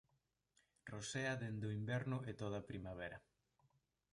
Rosea dende o inverno e toda a primavera.